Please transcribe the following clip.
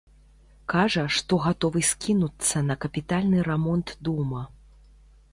Кажа, што гатовы скінуцца на капітальны рамонт дома.